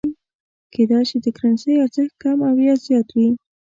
کېدای شي د کرنسۍ ارزښت کم او یا زیات وي.